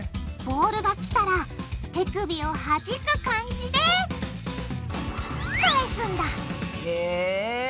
ボールが来たら手首をはじく感じで返すんだへぇ。